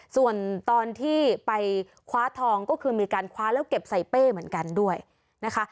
ส่วนตอนที่ไปคว้าทองก็คือมีการคว้าแล้วเก็บใส่เป้เหมือนกันด้วยนะคะ